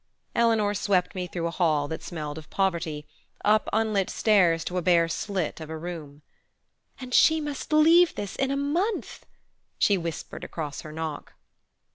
Eleanor swept me through a hall that smelled of poverty, up unlit stairs to a bare slit of a room. "And she must leave this in a month!" she whispered across her knock.